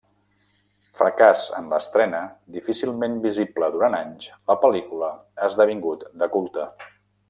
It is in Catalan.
Fracàs en l'estrena, difícilment visible durant anys, la pel·lícula ha esdevingut de culte.